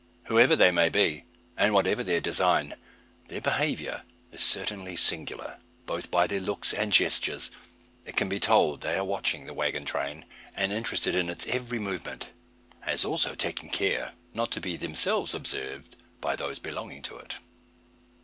Whoever they may be, and whatever their design, their behaviour is certainly singular. Both by their looks and gestures it can be told they are watching the waggon train, and interested in its every movement; as also taking care not to be themselves observed by those belonging to it.